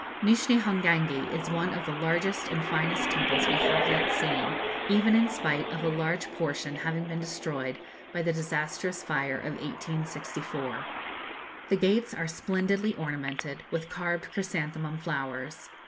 Nishni Hongangi is one of the largest and finest temples we have yet seen, even in spite of a large portion having been destroyed by the disastrous fire of 1864. The gates are splendidly ornamented, with carved chrysanthemum flowers.